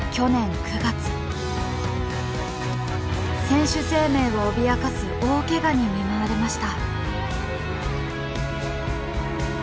選手生命を脅かす大ケガに見舞われました。